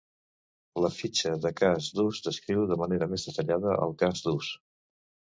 La fitxa de cas d'ús descriu de manera més detallada el cas d'ús.